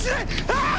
ああ！？